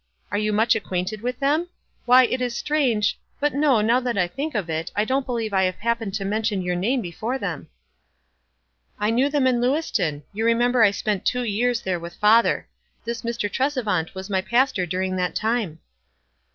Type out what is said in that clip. Are you much acquainted with them? Why, it is strange — But no, now I think of it, I don't believe I have hap pened to mention your name before them." " I knew them in Lewiston. You remember I spent two years there with father. This Mr. Tresevant was my pastor during that time."